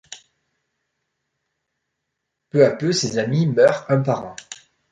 Peu à peu, ses amis meurent un par un.